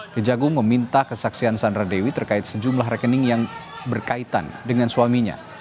kejagung meminta kesaksian sandra dewi terkait sejumlah rekening yang berkaitan dengan suaminya